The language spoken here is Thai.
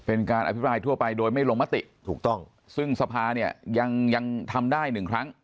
เป็นการอภิปรายทั่วไปโดยไม่ลงมติถูกต้องซึ่งสภาเนี่ยยังยังทำได้หนึ่งครั้ง